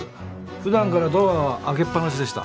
ふだんからドアは開けっ放しでした。